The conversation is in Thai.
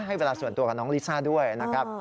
ให้เวลาส่วนตัวกับน้องลิซ่าด้วยนะครับ